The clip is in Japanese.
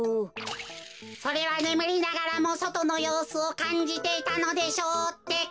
それはねむりながらもそとのようすをかんじていたのでしょうってか。